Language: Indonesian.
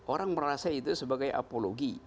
orang merasa itu sebagai apologi